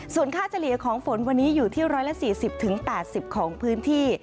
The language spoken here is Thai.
ส่วนค่าเฉลี่ยของฝนวันนี้อยู่ที่๑๔๐๘๐ของพื้นที่